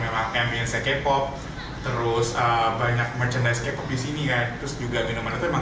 memang keminset kepo terus banyak merchandise kepo disini ya terus juga minuman itu memang